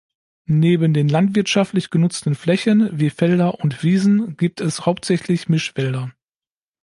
Neben den landwirtschaftlich genutzten Flächen, wie Felder und Wiesen, gibt es hauptsächlich Mischwälder.